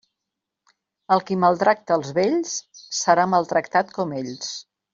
El qui maltracta els vells, serà maltractat com ells.